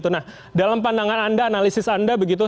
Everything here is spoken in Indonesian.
nah dalam pandangan anda analisis anda begitu